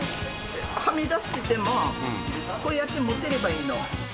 はみ出してても、こうやって持てればいいの。